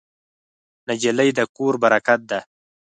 نجلۍ د کور برکت ده.